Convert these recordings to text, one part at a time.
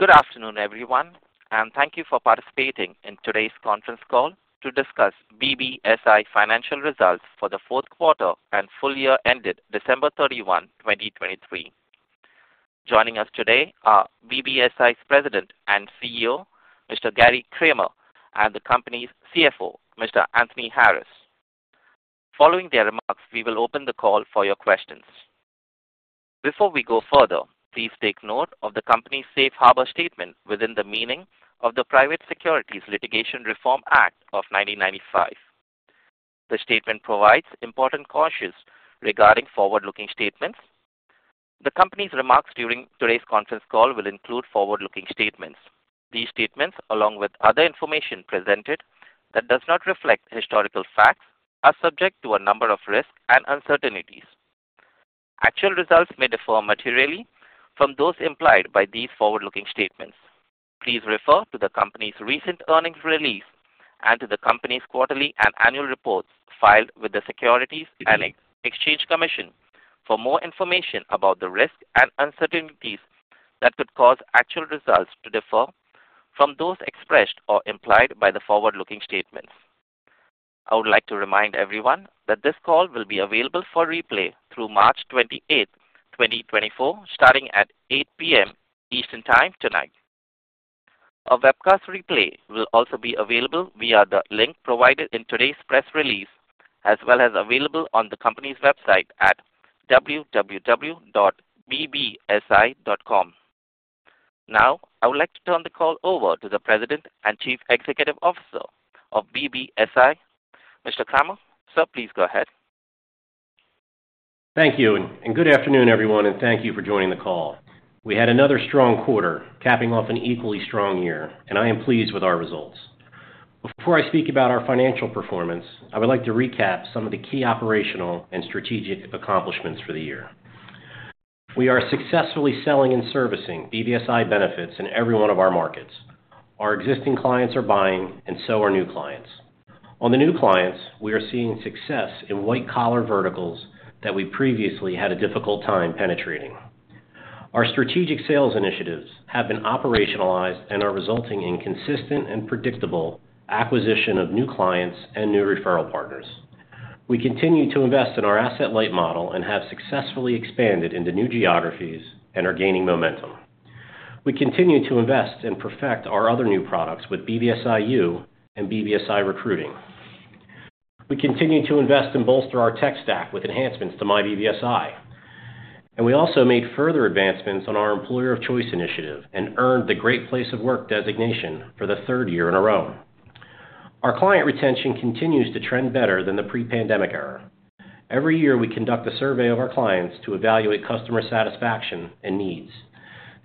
Good afternoon, everyone, and thank you for participating in today's Conference Call to Discuss BBSI Financial Results for the Fourth Quarter and Full Year Ended December 31, 2023. Joining us today are BBSI's President and CEO, Mr. Gary Kramer, and the company's CFO, Mr. Anthony Harris. Following their remarks, we will open the call for your questions. Before we go further, please take note of the company's Safe Harbor Statement within the meaning of the Private Securities Litigation Reform Act of 1995. The statement provides important cautions regarding forward-looking statements. The company's remarks during today's conference call will include forward-looking statements. These statements, along with other information presented that does not reflect historical facts, are subject to a number of risks and uncertainties. Actual results may differ materially from those implied by these forward-looking statements. Please refer to the company's recent earnings release and to the company's quarterly and annual reports filed with the Securities and Exchange Commission for more information about the risks and uncertainties that could cause actual results to differ from those expressed or implied by the forward-looking statements. I would like to remind everyone that this call will be available for replay through March 28, 2024, starting at 8:00 P.M. Eastern Time tonight. A webcast replay will also be available via the link provided in today's press release as well as available on the company's website at www.bbsi.com. Now, I would like to turn the call over to the President and Chief Executive Officer of BBSI. Mr. Kramer, sir, please go ahead. Thank you, and good afternoon, everyone, and thank you for joining the call. We had another strong quarter capping off an equally strong year, and I am pleased with our results. Before I speak about our financial performance, I would like to recap some of the key operational and strategic accomplishments for the year. We are successfully selling and servicing BBSI Benefits in every one of our markets. Our existing clients are buying, and so are new clients. On the new clients, we are seeing success in white-collar verticals that we previously had a difficult time penetrating. Our strategic sales initiatives have been operationalized and are resulting in consistent and predictable acquisition of new clients and new referral partners. We continue to invest in our asset-light model and have successfully expanded into new geographies and are gaining momentum. We continue to invest and perfect our other new products with BBSIU and BBSI Recruiting. We continue to invest and bolster our tech stack with enhancements myBBSI, and we also made further advancements on our employer of choice initiative and earned the Great Place To Work designation for the third year in a row. Our client retention continues to trend better than the pre-pandemic era. Every year, we conduct a survey of our clients to evaluate customer satisfaction and needs.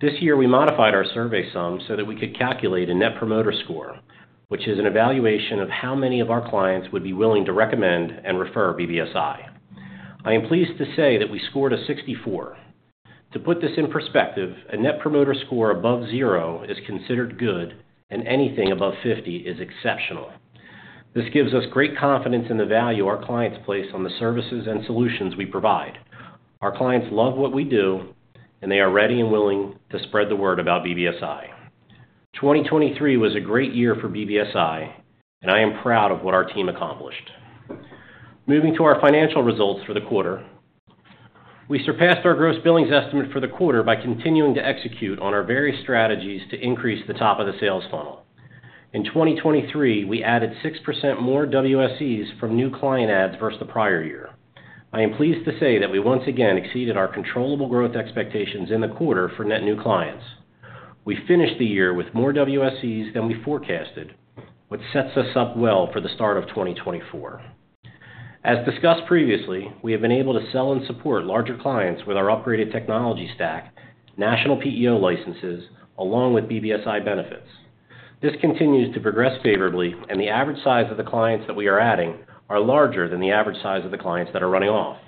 This year, we modified our survey somewhat so that we could calculate a Net Promoter Score, which is an evaluation of how many of our clients would be willing to recommend and refer BBSI. I am pleased to say that we scored a 64. To put this in perspective, a Net Promoter Score above 0 is considered good, and anything above 50 is exceptional. This gives us great confidence in the value our clients place on the services and solutions we provide. Our clients love what we do, and they are ready and willing to spread the word about BBSI. 2023 was a great year for BBSI, and I am proud of what our team accomplished. Moving to our financial results for the quarter, we surpassed our gross billings estimate for the quarter by continuing to execute on our various strategies to increase the top of the sales funnel. In 2023, we added 6% more WSEs from new client adds versus the prior year. I am pleased to say that we once again exceeded our controllable growth expectations in the quarter for net new clients. We finished the year with more WSEs than we forecasted, which sets us up well for the start of 2024. As discussed previously, we have been able to sell and support larger clients with our upgraded technology stack, national PEO licenses, along with BBSI Benefits. This continues to progress favorably, and the average size of the clients that we are adding is larger than the average size of the clients that are running off.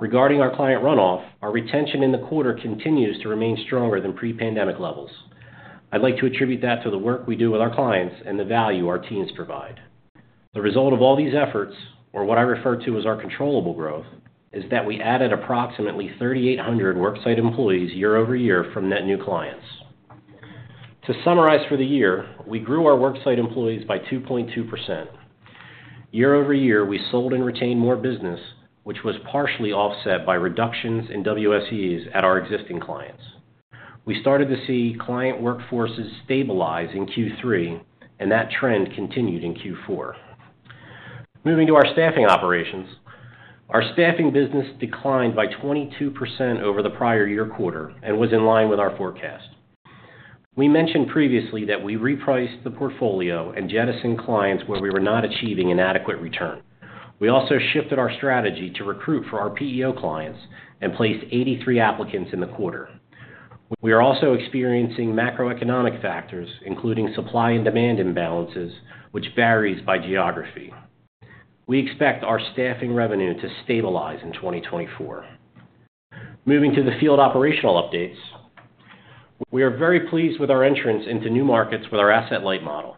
Regarding our client runoff, our retention in the quarter continues to remain stronger than pre-pandemic levels. I'd like to attribute that to the work we do with our clients and the value our teams provide. The result of all these efforts, or what I refer to as our controllable growth, is that we added approximately 3,800 worksite employees year-over-year from net new clients. To summarize for the year, we grew our worksite employees by 2.2%. Year-over-year, we sold and retained more business, which was partially offset by reductions in WSEs at our existing clients. We started to see client workforces stabilize in Q3, and that trend continued in Q4. Moving to our staffing operations, our staffing business declined by 22% over the prior-year quarter and was in line with our forecast. We mentioned previously that we repriced the portfolio and jettisoned clients where we were not achieving an adequate return. We also shifted our strategy to recruit for our PEO clients and placed 83 applicants in the quarter. We are also experiencing macroeconomic factors, including supply and demand imbalances, which varies by geography. We expect our staffing revenue to stabilize in 2024. Moving to the field operational updates, we are very pleased with our entrance into new markets with our asset-light model.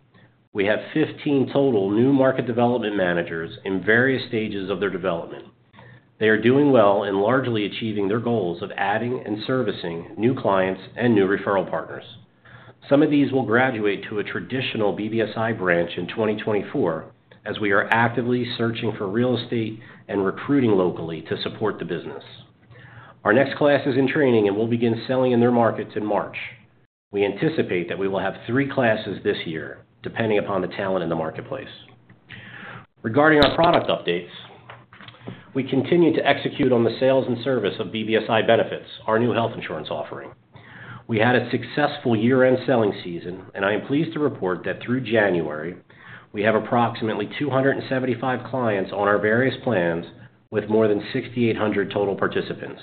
We have 15 total new market development managers in various stages of their development. They are doing well and largely achieving their goals of adding and servicing new clients and new referral partners. Some of these will graduate to a traditional BBSI branch in 2024 as we are actively searching for real estate and recruiting locally to support the business. Our next class is in training, and we'll begin selling in their markets in March. We anticipate that we will have three classes this year, depending upon the talent in the marketplace. Regarding our product updates, we continue to execute on the sales and service of BBSI Benefits, our new health insurance offering. We had a successful year-end selling season, and I am pleased to report that through January, we have approximately 275 clients on our various plans with more than 6,800 total participants.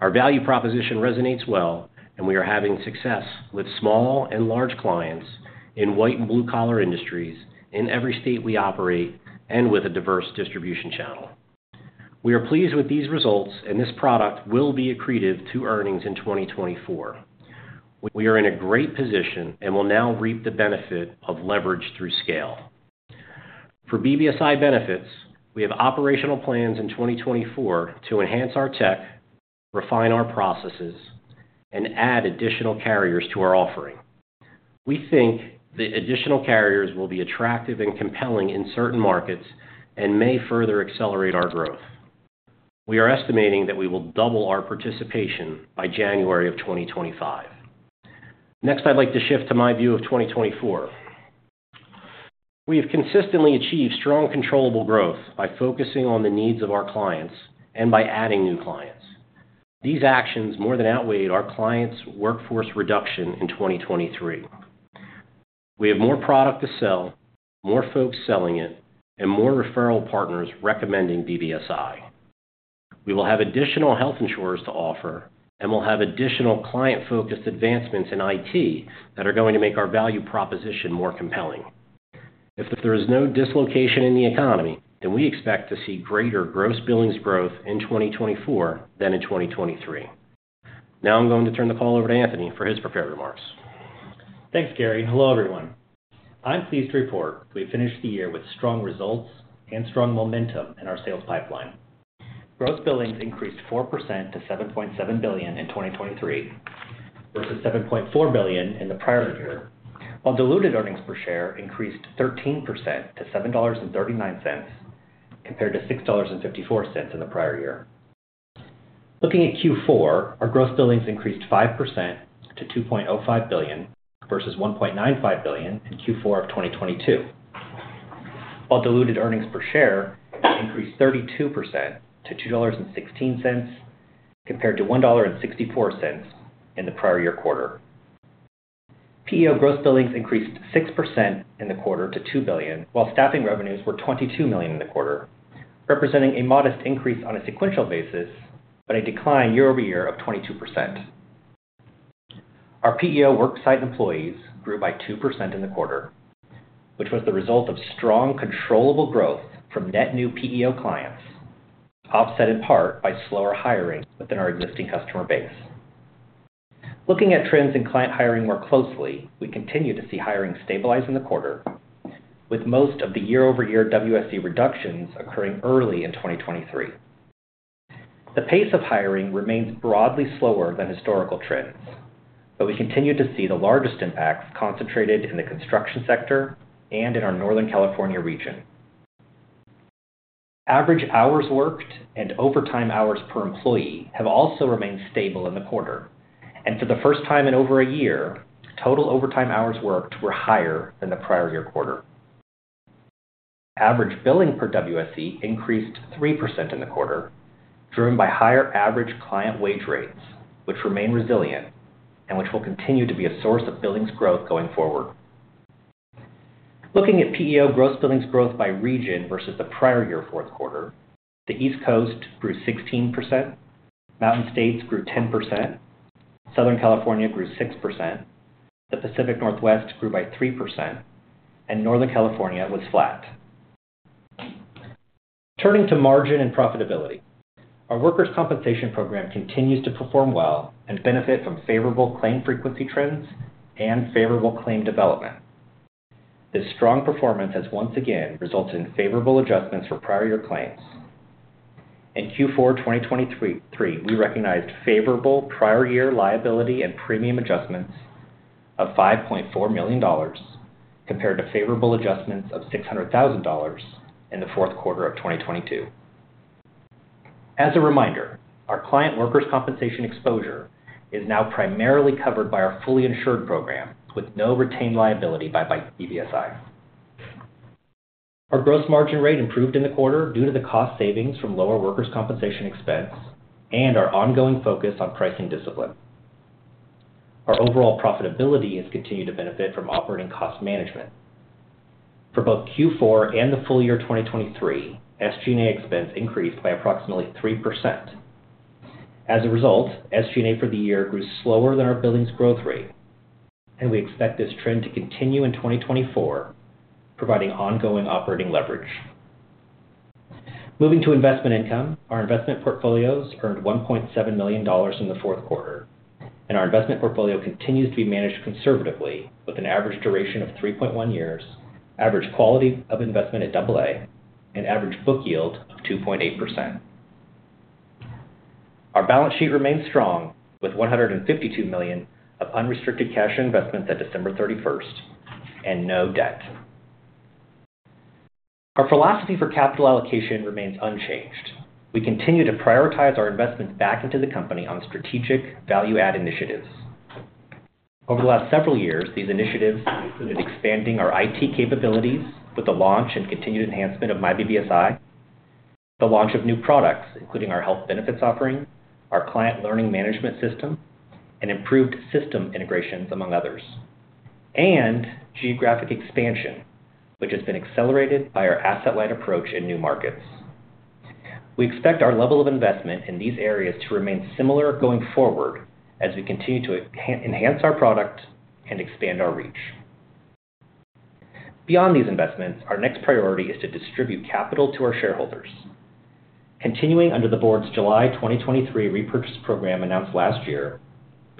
Our value proposition resonates well, and we are having success with small and large clients in white and blue-collar industries in every state we operate and with a diverse distribution channel. We are pleased with these results, and this product will be accretive to earnings in 2024. We are in a great position and will now reap the benefit of leverage through scale. For BBSI Benefits, we have operational plans in 2024 to enhance our tech, refine our processes, and add additional carriers to our offering. We think the additional carriers will be attractive and compelling in certain markets and may further accelerate our growth. We are estimating that we will double our participation by January of 2025. Next, I'd like to shift to my view of 2024. We have consistently achieved strong controllable growth by focusing on the needs of our clients and by adding new clients. These actions more than outweighed our clients' workforce reduction in 2023. We have more product to sell, more folks selling it, and more referral partners recommending BBSI. We will have additional health insurers to offer, and we'll have additional client-focused advancements in IT that are going to make our value proposition more compelling. If there is no dislocation in the economy, then we expect to see greater gross billings growth in 2024 than in 2023. Now I'm going to turn the call over to Anthony for his prepared remarks. Thanks, Gary. Hello, everyone. I'm pleased to report we finished the year with strong results and strong momentum in our sales pipeline. Gross billings increased 4% to $7.7 billion in 2023 versus $7.4 billion in the prior year, while diluted earnings per share increased 13% to $7.39 compared to $6.54 in the prior year. Looking at Q4, our gross billings increased 5% to $2.05 billion versus $1.95 billion in Q4 of 2022, while diluted earnings per share increased 32% to $2.16 compared to $1.64 in the prior year quarter. PEO gross billings increased 6% in the quarter to $2 billion, while staffing revenues were $22 million in the quarter, representing a modest increase on a sequential basis but a decline year-over-year of 22%. Our PEO worksite employees grew by 2% in the quarter, which was the result of strong controllable growth from net new PEO clients, offset in part by slower hiring within our existing customer base. Looking at trends in client hiring more closely, we continue to see hiring stabilize in the quarter, with most of the year-over-year WSE reductions occurring early in 2023. The pace of hiring remains broadly slower than historical trends, but we continue to see the largest impacts concentrated in the construction sector and in our Northern California region. Average hours worked and overtime hours per employee have also remained stable in the quarter, and for the first time in over a year, total overtime hours worked were higher than the prior year quarter. Average billing per WSE increased 3% in the quarter, driven by higher average client wage rates, which remain resilient and which will continue to be a source of billings growth going forward. Looking at PEO gross billings growth by region versus the prior year fourth quarter, the East Coast grew 16%, Mountain States grew 10%, Southern California grew 6%, the Pacific Northwest grew by 3%, and Northern California was flat. Turning to margin and profitability, our workers' compensation program continues to perform well and benefit from favorable claim frequency trends and favorable claim development. This strong performance has once again resulted in favorable adjustments for prior year claims. In Q4 2023, we recognized favorable prior year liability and premium adjustments of $5.4 million compared to favorable adjustments of $600,000 in the fourth quarter of 2022. As a reminder, our client workers' compensation exposure is now primarily covered by our fully insured program with no retained liability by BBSI. Our gross margin rate improved in the quarter due to the cost savings from lower workers' compensation expense and our ongoing focus on pricing discipline. Our overall profitability has continued to benefit from operating cost management. For both Q4 and the full year 2023, SG&A expense increased by approximately 3%. As a result, SG&A for the year grew slower than our billings growth rate, and we expect this trend to continue in 2024, providing ongoing operating leverage. Moving to investment income, our investment portfolios earned $1.7 million in the fourth quarter, and our investment portfolio continues to be managed conservatively with an average duration of 3.1 years, average quality of investment at AA, and average book yield of 2.8%. Our balance sheet remains strong with $152 million of unrestricted cash investments at December 31st and no debt. Our philosophy for capital allocation remains unchanged. We continue to prioritize our investments back into the company on strategic value-add initiatives. Over the last several years, these initiatives included expanding our IT capabilities with the launch and continued enhancement of myBBSI, the launch of new products including our health benefits offering, our client learning management system, and improved system integrations, among others, and geographic expansion, which has been accelerated by our asset-light approach in new markets. We expect our level of investment in these areas to remain similar going forward as we continue to enhance our product and expand our reach. Beyond these investments, our next priority is to distribute capital to our shareholders. Continuing under the board's July 2023 repurchase program announced last year,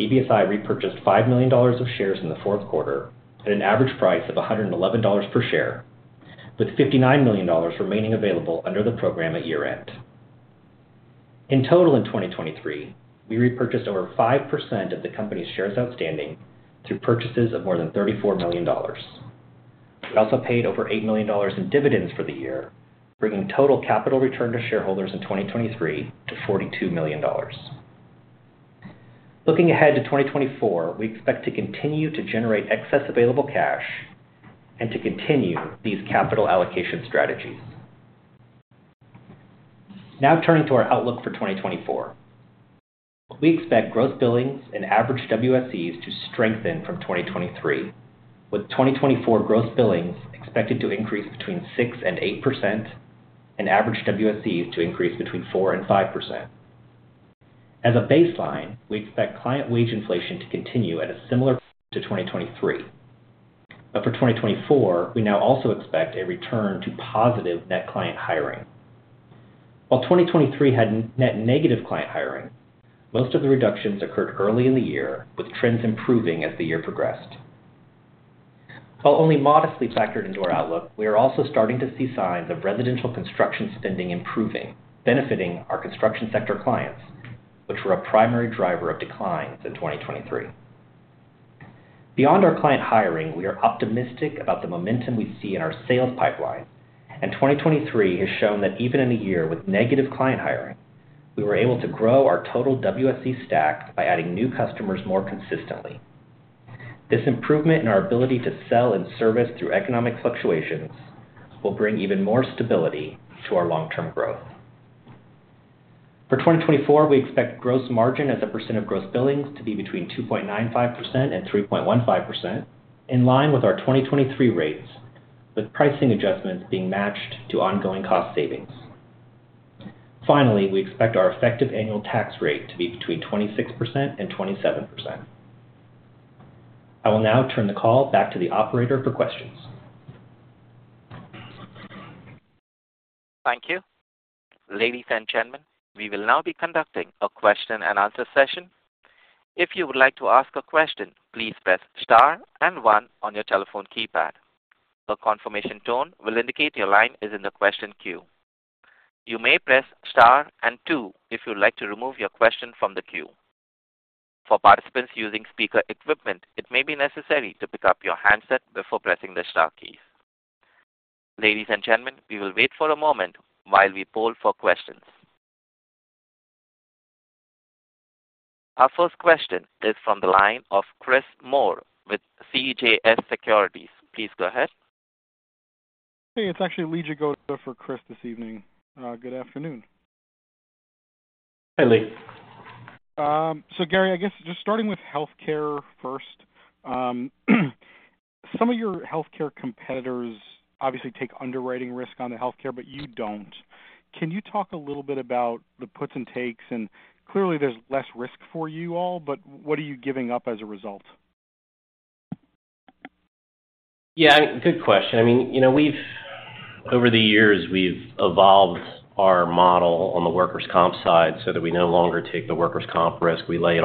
BBSI repurchased $5 million of shares in the fourth quarter at an average price of $111 per share, with $59 million remaining available under the program at year-end. In total, in 2023, we repurchased over 5% of the company's shares outstanding through purchases of more than $34 million. We also paid over $8 million in dividends for the year, bringing total capital return to shareholders in 2023 to $42 million. Looking ahead to 2024, we expect to continue to generate excess available cash and to continue these capital allocation strategies. Now turning to our outlook for 2024. We expect gross billings and average WSEs to strengthen from 2023, with 2024 gross billings expected to increase between 6% and 8% and average WSEs to increase between 4% and 5%. As a baseline, we expect client wage inflation to continue at a similar pace to 2023, but for 2024, we now also expect a return to positive net client hiring. While 2023 had net negative client hiring, most of the reductions occurred early in the year, with trends improving as the year progressed. While only modestly factored into our outlook, we are also starting to see signs of residential construction spending improving, benefiting our construction sector clients, which were a primary driver of declines in 2023. Beyond our client hiring, we are optimistic about the momentum we see in our sales pipeline, and 2023 has shown that even in a year with negative client hiring, we were able to grow our total WSE stack by adding new customers more consistently. This improvement in our ability to sell and service through economic fluctuations will bring even more stability to our long-term growth. For 2024, we expect gross margin as a percent of gross billings to be between 2.95%-3.15%, in line with our 2023 rates, with pricing adjustments being matched to ongoing cost savings. Finally, we expect our effective annual tax rate to be between 26%-27%. I will now turn the call back to the operator for questions. Thank you. Ladies and gentlemen, we will now be conducting a question-and-answer session. If you would like to ask a question, please press star and one on your telephone keypad. A confirmation tone will indicate your line is in the question queue. You may press star and two if you would like to remove your question from the queue. For participants using speaker equipment, it may be necessary to pick up your handset before pressing the star keys. Ladies and gentlemen, we will wait for a moment while we poll for questions. Our first question is from the line of Chris Moore with CJS Securities. Please go ahead. Hey, it's actually Lee Jagoda for Chris this evening. Good afternoon. Hi, Lee. So, Gary, I guess just starting with healthcare first. Some of your healthcare competitors obviously take underwriting risk on the healthcare, but you don't. Can you talk a little bit about the puts and takes? And clearly, there's less risk for you all, but what are you giving up as a result? Yeah, good question. Over the years, we've evolved our model on the workers' comp side so that we no longer take the workers' comp risk. We lay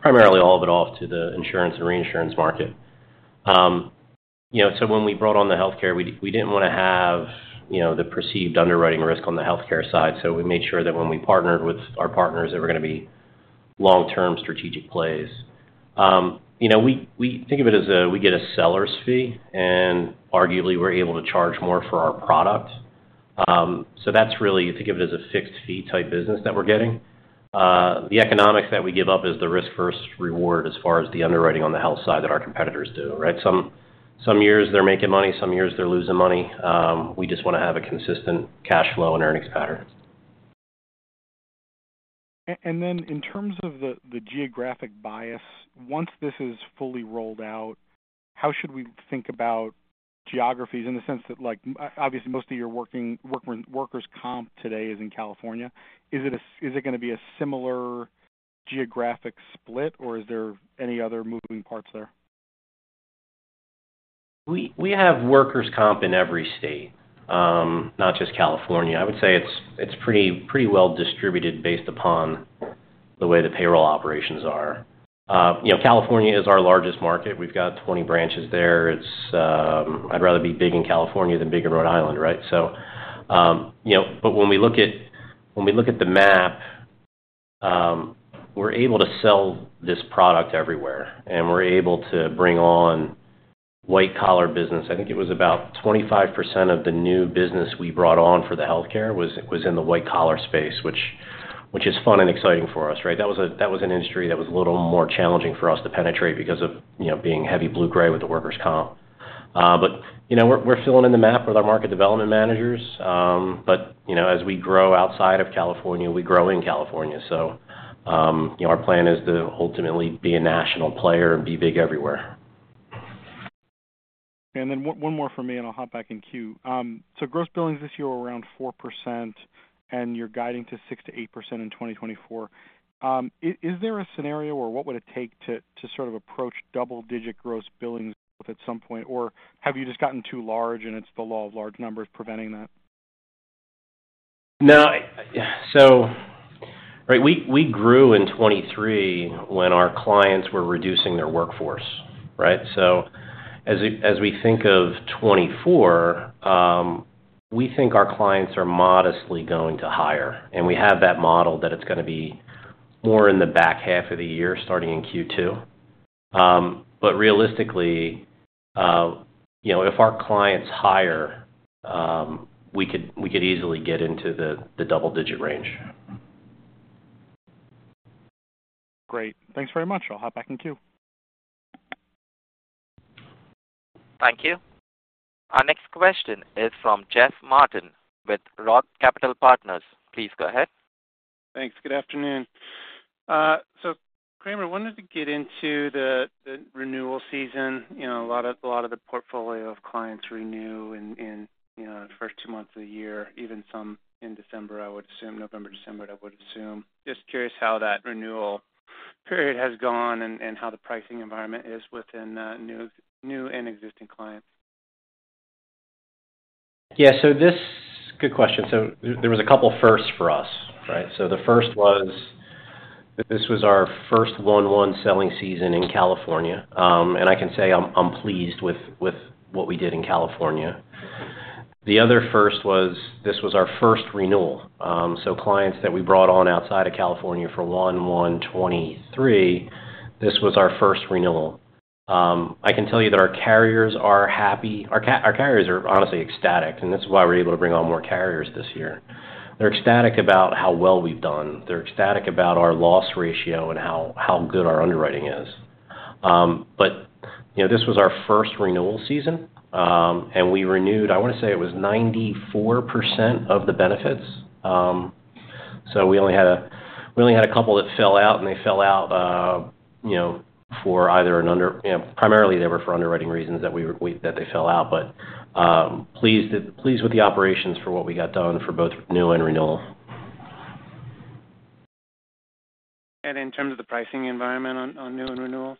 primarily all of it off to the insurance and reinsurance market. So when we brought on the healthcare, we didn't want to have the perceived underwriting risk on the healthcare side, so we made sure that when we partnered with our partners, they were going to be long-term strategic plays. We think of it as we get a seller's fee, and arguably, we're able to charge more for our product. So you think of it as a fixed-fee type business that we're getting. The economics that we give up is the risk-versus-reward as far as the underwriting on the health side that our competitors do, right? Some years, they're making money. Some years, they're losing money. We just want to have a consistent cash flow and earnings pattern. And then in terms of the geographic bias, once this is fully rolled out, how should we think about geographies in the sense that obviously, most of your workers' comp today is in California? Is it going to be a similar geographic split, or is there any other moving parts there? We have workers' comp in every state, not just California. I would say it's pretty well distributed based upon the way the payroll operations are. California is our largest market. We've got 20 branches there. I'd rather be big in California than big in Rhode Island, right? But when we look at the map, we're able to sell this product everywhere, and we're able to bring on white-collar business. I think it was about 25% of the new business we brought on for the healthcare was in the white-collar space, which is fun and exciting for us, right? That was an industry that was a little more challenging for us to penetrate because of being heavy blue-collar with the workers' comp. But we're filling in the map with our market development managers. But as we grow outside of California, we grow in California. Our plan is to ultimately be a national player and be big everywhere. Then one more for me, and I'll hop back in queue. Gross billings this year were around 4%, and you're guiding to 6%-8% in 2024. Is there a scenario, or what would it take to sort of approach double-digit gross billings at some point, or have you just gotten too large and it's the law of large numbers preventing that? No, right? We grew in 2023 when our clients were reducing their workforce, right? So as we think of 2024, we think our clients are modestly going to hire, and we have that model that it's going to be more in the back half of the year starting in Q2. But realistically, if our clients hire, we could easily get into the double-digit range. Great. Thanks very much. I'll hop back in queue. Thank you. Our next question is from Jeff Martin with Roth Capital Partners. Please go ahead. Thanks. Good afternoon. So, Kramer, I wanted to get into the renewal season. A lot of the portfolio of clients renew in the first two months of the year, even some in December, I would assume, November, December, I would assume. Just curious how that renewal period has gone and how the pricing environment is within new and existing clients. Yeah, so good question. So there was a couple firsts for us, right? So the first was this was our first 1/1 selling season in California, and I can say I'm pleased with what we did in California. The other first was this was our first renewal. So clients that we brought on outside of California for 1/1/2023, this was our first renewal. I can tell you that our carriers are happy. Our carriers are honestly ecstatic, and this is why we're able to bring on more carriers this year. They're ecstatic about how well we've done. They're ecstatic about our loss ratio and how good our underwriting is. But this was our first renewal season, and we renewed, I want to say it was 94% of the benefits. So we only had a couple that fell out, and they fell out primarily for underwriting reasons, but pleased with the operations for what we got done for both new and renewal. In terms of the pricing environment on new and renewals?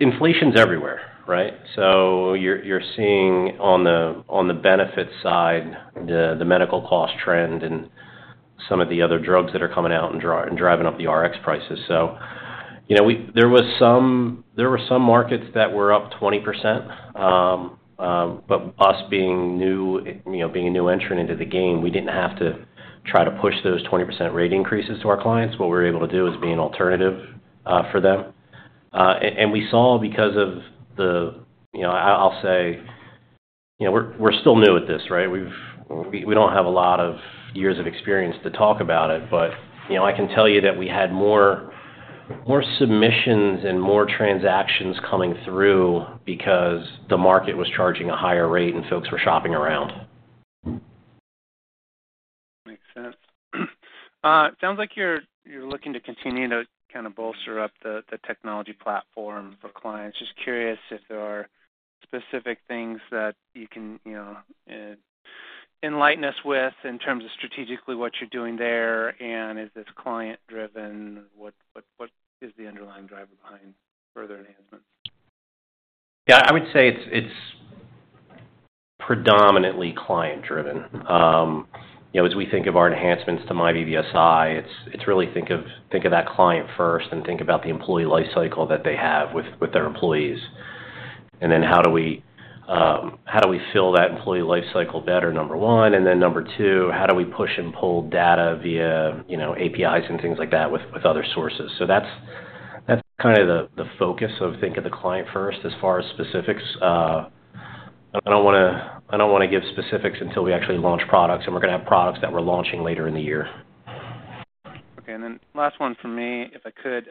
Inflation's everywhere, right? So you're seeing on the benefits side the medical cost trend and some of the other drugs that are coming out and driving up the Rx prices. So there were some markets that were up 20%, but us being a new entrant into the game, we didn't have to try to push those 20% rate increases to our clients. What we were able to do is being alternative for them. And we saw because of the I'll say we're still new at this, right? We don't have a lot of years of experience to talk about it, but I can tell you that we had more submissions and more transactions coming through because the market was charging a higher rate and folks were shopping around. Makes sense. Sounds like you're looking to continue to kind of bolster up the technology platform for clients. Just curious if there are specific things that you can enlighten us with in terms of strategically what you're doing there, and is this client-driven? What is the underlying driver behind further enhancements? Yeah, I would say it's predominantly client-driven. As we think of our enhancements to myBBSI, it's really think of that client first and think about the employee lifecycle that they have with their employees. And then how do we fill that employee lifecycle better, number one? And then number two, how do we push and pull data via APIs and things like that with other sources? So that's kind of the focus of think of the client first as far as specifics. I don't want to give specifics until we actually launch products, and we're going to have products that we're launching later in the year. Okay. And then last one from me, if I could.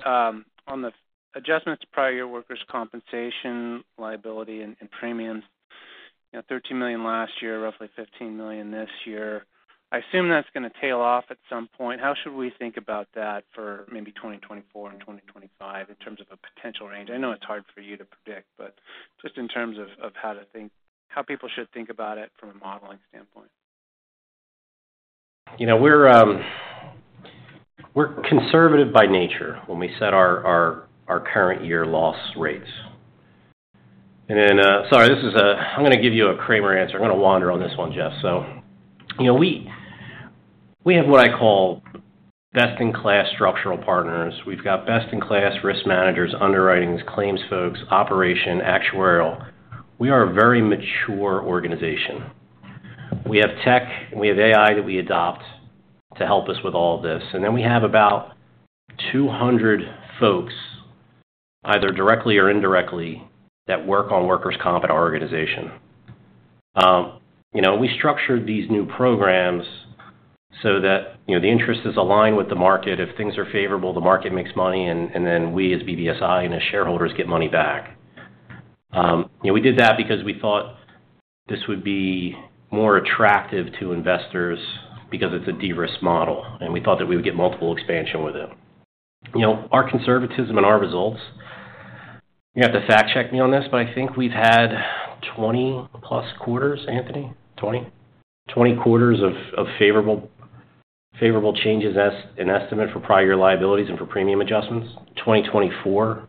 On the adjustments to prior year workers' compensation, liability, and premiums, $13 million last year, roughly $15 million this year. I assume that's going to tail off at some point. How should we think about that for maybe 2024 and 2025 in terms of a potential range? I know it's hard for you to predict, but just in terms of how to think how people should think about it from a modeling standpoint. We're conservative by nature when we set our current year loss rates. Sorry, this is. I'm going to give you a Kramer answer. I'm going to wander on this one, Jeff. So we have what I call best-in-class strategic partners. We've got best-in-class risk managers, underwriters, claims folks, operations, actuaries. We are a very mature organization. We have tech. We have AI that we adopt to help us with all of this. And then we have about 200 folks, either directly or indirectly, that work on workers' comp at our organization. We structured these new programs so that the interests align with the market. If things are favorable, the market makes money, and then we as BBSI and as shareholders get money back. We did that because we thought this would be more attractive to investors because it's a de-risk model, and we thought that we would get multiple expansion with it. Our conservatism and our results you have to fact-check me on this, but I think we've had 20 plus quarters, Anthony, 20? 20 quarters of favorable changes in estimate for prior year liabilities and for premium adjustments. 2024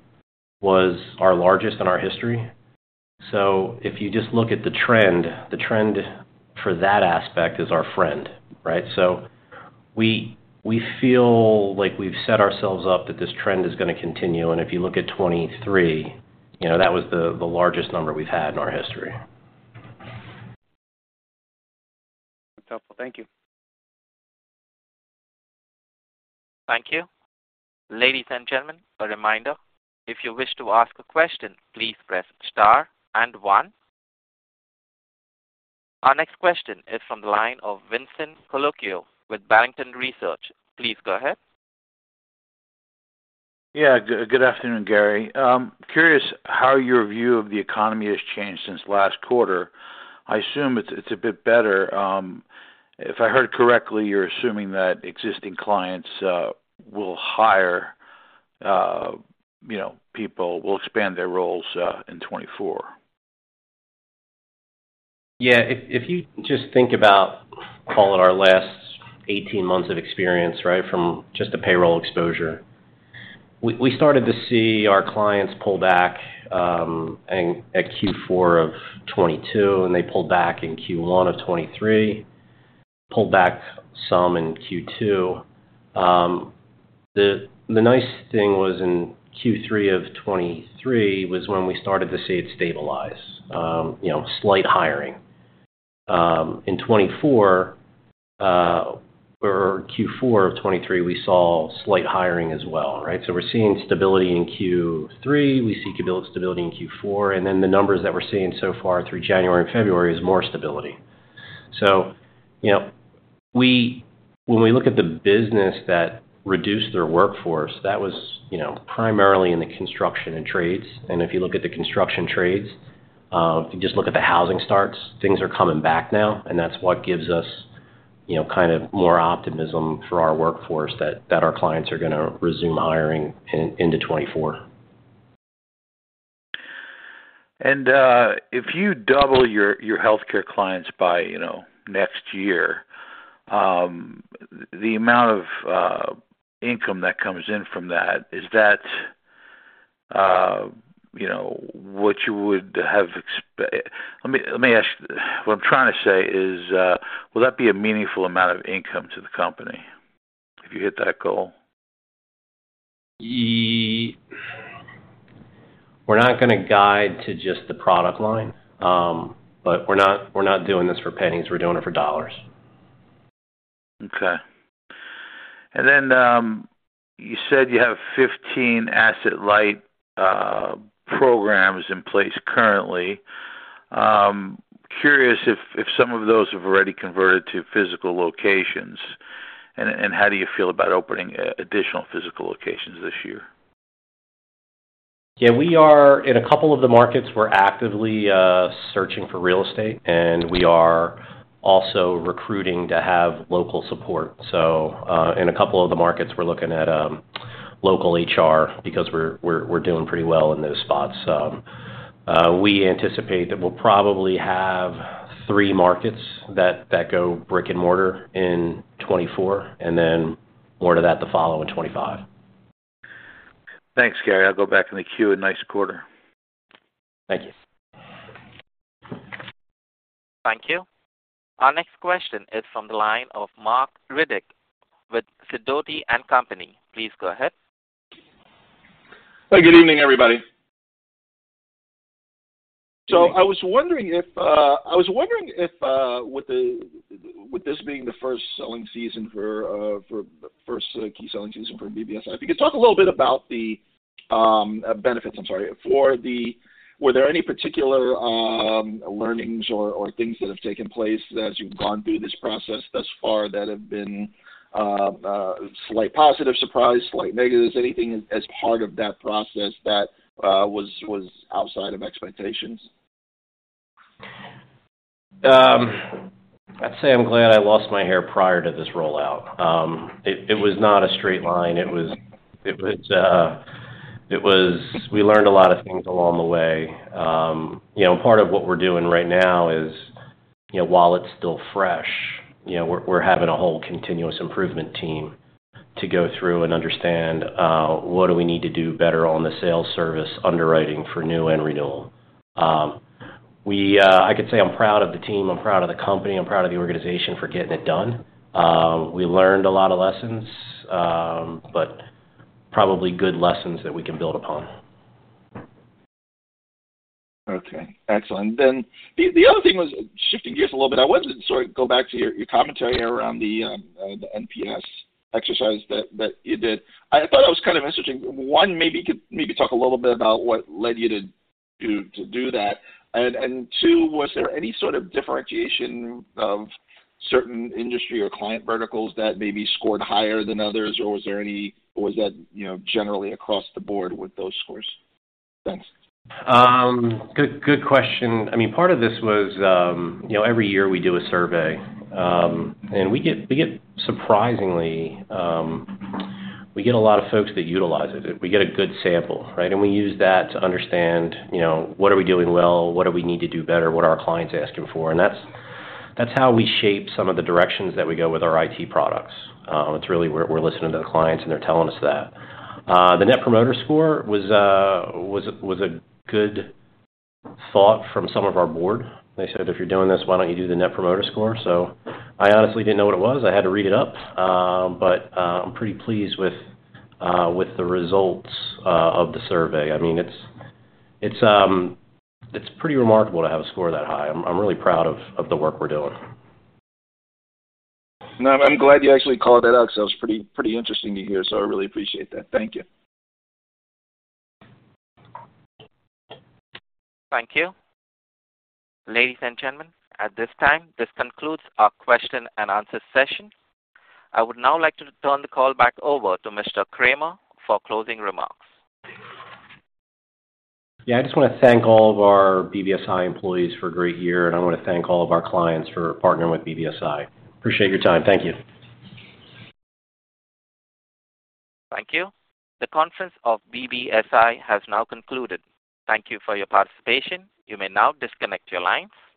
was our largest in our history. So if you just look at the trend, the trend for that aspect is our friend, right? So we feel like we've set ourselves up that this trend is going to continue. And if you look at 2023, that was the largest number we've had in our history. That's helpful. Thank you. Thank you. Ladies and gentlemen, a reminder, if you wish to ask a question, please press star and one. Our next question is from the line of Vincent Colicchio with Barrington Research. Please go ahead. Yeah, good afternoon, Gary. Curious how your view of the economy has changed since last quarter. I assume it's a bit better. If I heard correctly, you're assuming that existing clients will hire people, will expand their roles in 2024? Yeah. If you just think about, call it, our last 18 months of experience, right, from just the payroll exposure, we started to see our clients pull back at Q4 of 2022, and they pulled back in Q1 of 2023, pulled back some in Q2. The nice thing was in Q3 of 2023 was when we started to see it stabilize, slight hiring. In 2024 or Q4 of 2023, we saw slight hiring as well, right? So we're seeing stability in Q3. We see stability in Q4. And then the numbers that we're seeing so far through January and February is more stability. So when we look at the business that reduced their workforce, that was primarily in the construction and trades. If you look at the construction trades, if you just look at the housing starts, things are coming back now, and that's what gives us kind of more optimism for our workforce that our clients are going to resume hiring into 2024. If you double your healthcare clients by next year, the amount of income that comes in from that, is that what you would have let me ask? What I'm trying to say is, will that be a meaningful amount of income to the company if you hit that goal? We're not going to guide to just the product line, but we're not doing this for pennies. We're doing it for dollars. Okay. And then you said you have 15 asset-light programs in place currently. Curious if some of those have already converted to physical locations, and how do you feel about opening additional physical locations this year? Yeah, in a couple of the markets, we're actively searching for real estate, and we are also recruiting to have local support. So in a couple of the markets, we're looking at local HR because we're doing pretty well in those spots. We anticipate that we'll probably have three markets that go brick and mortar in 2024 and then more to that the following 2025. Thanks, Gary. I'll go back in the queue in the next quarter. Thank you. Thank you. Our next question is from the line of Marc Riddick with Sidoti & Company. Please go ahead. Good evening, everybody. So I was wondering if with this being the first selling season for the first key selling season for BBSI, if you could talk a little bit about the benefits. I'm sorry. Were there any particular learnings or things that have taken place as you've gone through this process thus far that have been slight positive surprise, slight negatives? Anything as part of that process that was outside of expectations? I'd say I'm glad I lost my hair prior to this rollout. It was not a straight line. It was, we learned a lot of things along the way. Part of what we're doing right now is, while it's still fresh, we're having a whole continuous improvement team to go through and understand what do we need to do better on the sales service underwriting for new and renewal. I could say I'm proud of the team. I'm proud of the company. I'm proud of the organization for getting it done. We learned a lot of lessons, but probably good lessons that we can build upon. Okay. Excellent. Then the other thing was shifting gears a little bit. I wanted to sort of go back to your commentary around the NPS exercise that you did. I thought it was kind of interesting. One, maybe talk a little bit about what led you to do that. And two, was there any sort of differentiation of certain industry or client verticals that maybe scored higher than others, or was that generally across the board with those scores? Thanks. Good question. I mean, part of this was every year, we do a survey, and we get surprisingly a lot of folks that utilize it. We get a good sample, right? And we use that to understand what are we doing well? What do we need to do better? What are our clients asking for? And that's how we shape some of the directions that we go with our IT products. It's really we're listening to the clients, and they're telling us that. The Net Promoter Score was a good thought from some of our board. They said, "If you're doing this, why don't you do the Net Promoter Score?" So I honestly didn't know what it was. I had to read it up, but I'm pretty pleased with the results of the survey. I mean, it's pretty remarkable to have a score that high. I'm really proud of the work we're doing. No, I'm glad you actually called that out because that was pretty interesting to hear. So I really appreciate that. Thank you. Thank you. Ladies and gentlemen, at this time, this concludes our question-and-answer session. I would now like to turn the call back over to Mr. Kramer for closing remarks. Yeah, I just want to thank all of our BBSI employees for a great year, and I want to thank all of our clients for partnering with BBSI. Appreciate your time. Thank you. Thank you. The conference of BBSI has now concluded. Thank you for your participation. You may now disconnect your lines.